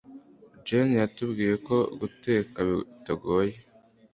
Jane yatubwiye ko guteka bitagoye.